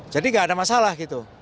jadi tidak ada masalah